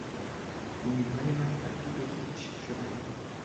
امیدهای من تبدیل به هیچ شدند.